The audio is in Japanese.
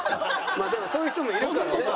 まあでもそういう人もいるからね。